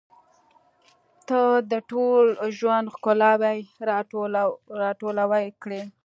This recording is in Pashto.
• ته د ټول ژوند ښکلاوې راټولې کړې.